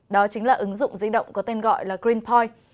đó chính là ứng dụng di động có tên gọi là greenpoint